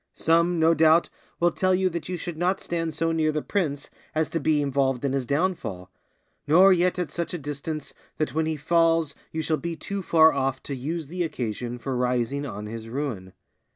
Some, no doubt, will tell you that you should not stand so near the prince as to be involved in his downfall; nor yet at such a distance that when he falls you shall be too far off to use the occasion for rising on his ruin.